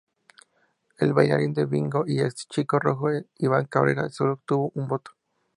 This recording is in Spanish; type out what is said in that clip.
El bailarín de Yingo y ex chico Rojo, Iván Cabrera, sólo obtuvo un voto.